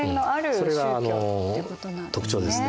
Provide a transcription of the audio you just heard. それが特徴ですね。